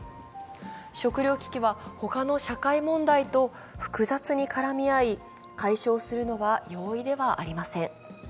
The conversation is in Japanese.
食糧危機はほかの社会問題と複雑に絡み合い解消するのは容易ではありません。